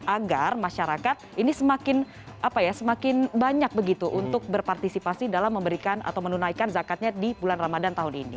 agar masyarakat ini semakin banyak begitu untuk berpartisipasi dalam memberikan atau menunaikan zakatnya di bulan ramadan tahun ini